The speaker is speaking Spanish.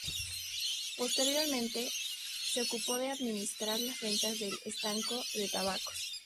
Posteriormente, se ocupó de administrar las rentas del estanco de tabacos.